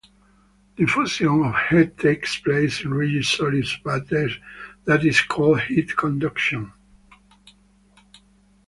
Diffusion of heat takes place in rigid solids, but that is called heat conduction.